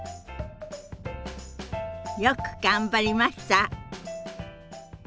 よく頑張りました。